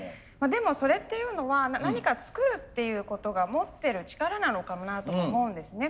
でもそれっていうのは何か作るっていうことが持ってる力なのかもなと思うんですね。